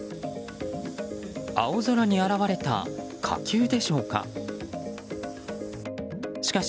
青空に現れた火球でしょうか。